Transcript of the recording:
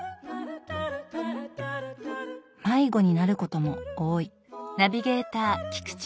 迷子になることも多い。